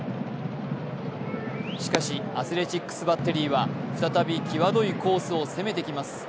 しかし、アスレチックスバッテリーは再びきわどいコースを攻めてきます。